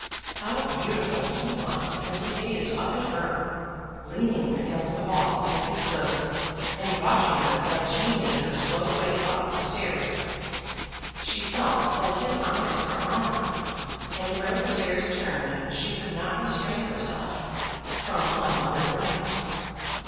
How beautiful he was as he gazed up at her, leaning against the wall as he stood, and watching her as she made her slow way up the stairs! She felt that his eyes were on her, and where the stairs turned she could not restrain herself from one other glance.